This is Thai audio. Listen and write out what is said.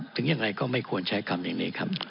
ถึงยังไงก็ไม่ควรใช้คำอย่างนี้ครับ